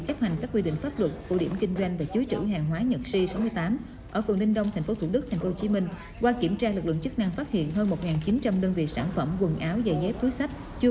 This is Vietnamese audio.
có nhiều biểu hiện nghi vấn nên lực lượng chức năng đã tiến hành kiểm tra